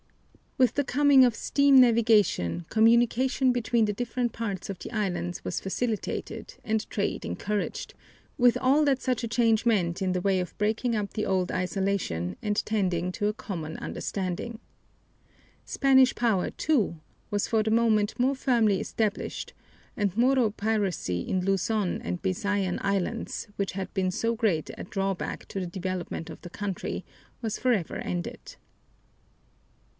With the coming of steam navigation communication between the different parts of the islands was facilitated and trade encouraged, with all that such a change meant in the way of breaking up the old isolation and tending to a common understanding. Spanish power, too, was for the moment more firmly established, and Moro piracy in Luzon and the Bisayan Islands, which had been so great a drawback to the development of the country, was forever ended.